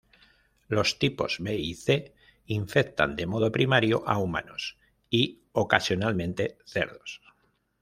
Los tipos B y C infectan de modo primario a humanos y, ocasionalmente, cerdos.